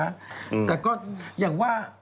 แต่ก็อย่างว่า